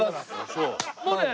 そう。